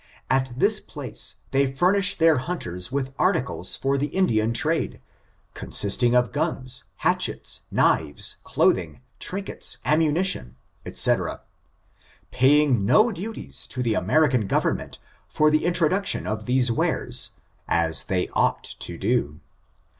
At this place they furnish their hunters with articles for the Indian trade, consisting of guns, hatch ets, knives, clothing, trinkets, ammunition, &c., paying no duties to the American government for the intro duction of these wares, as they ought to do.